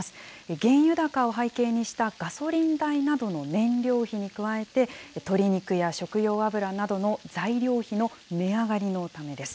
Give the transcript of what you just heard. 原油高を背景にしたガソリン代などの燃料費に加えて、鶏肉や食用油などの材料費の値上がりのためです。